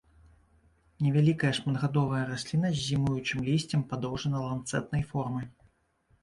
Невялікая шматгадовая расліна з зімуючым лісцем падоўжана-ланцэтнай формы.